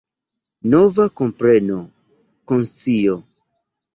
Nova kompreno, konscio.